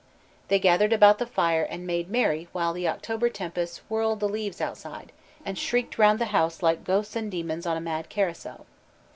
They gathered about the fire and made merry while the October tempests whirled the leaves outside, and shrieked round the house like ghosts and demons on a mad carousal.